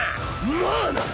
まあな！